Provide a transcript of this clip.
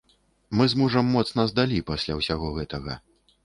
Мы з мужам моцна здалі пасля ўсяго гэтага.